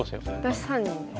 私３人です。